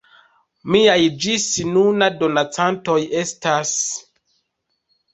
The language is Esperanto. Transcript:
Miaj ĝis nuna donacantoj estas:...